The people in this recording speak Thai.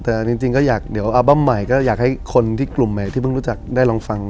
แต่จริงก็อยากเดี๋ยวอัลบั้มใหม่ก็อยากให้คนที่กลุ่มใหม่ที่เพิ่งรู้จักได้ลองฟัง